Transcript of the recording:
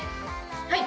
はい。